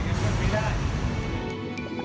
ก็ไม่ได้